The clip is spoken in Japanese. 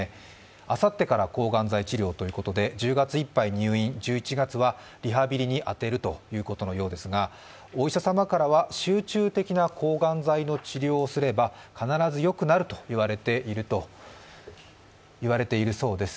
あさってから抗がん剤治療ということで１０月いっぱいは入院１１月はリハビリに充てるということのようですが、お医者様からは集中的な抗がん剤の治療をすれば必ずよくなると言われているそうです。